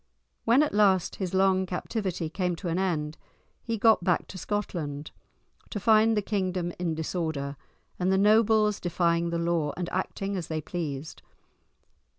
When at last his long captivity came to an end, he got back to Scotland to find the kingdom in disorder, and the nobles defying the law and acting as they pleased.